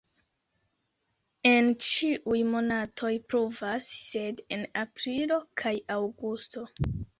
En ĉiuj monatoj pluvas, sed en aprilo kaj aŭgusto.